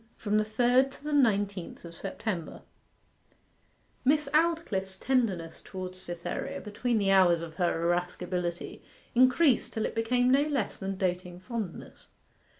FROM THE THIRD TO THE NINETEENTH OF SEPTEMBER Miss Aldclyffe's tenderness towards Cytherea, between the hours of her irascibility, increased till it became no less than doting fondness.